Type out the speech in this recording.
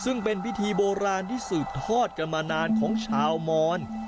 ซึ่งเป็นพิธีโบราณที่สืบทอดกันมานานของชาวมอน